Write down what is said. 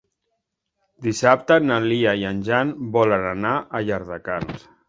Dissabte na Lia i en Jan volen anar a Llardecans.